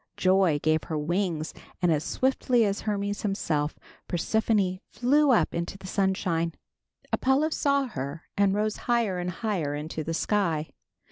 Joy gave her wings, and as swiftly as Hermes himself, Persephone flew up into the sunshine. Apollo saw her and rose higher and higher into the sky.